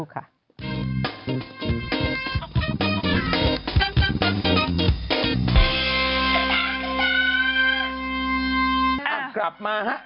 กลับมา